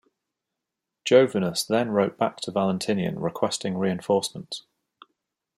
Jovinus then wrote back to Valentinian requesting reinforcements.